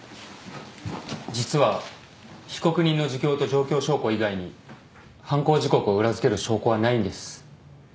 実は被告人の自供と状況証拠以外に犯行時刻を裏付ける証拠はないんです。